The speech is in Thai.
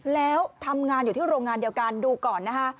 แล้วทำงานอยู่ที่โรงงานเดียวกันดูก่อนนะคะ